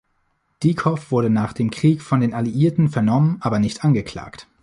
Dieckhoff wurde nach dem Krieg von den Alliierten vernommen, aber nicht angeklagt.